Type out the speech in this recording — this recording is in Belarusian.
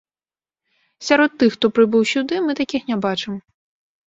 Сярод тых, хто прыбыў сюды, мы такіх не бачым.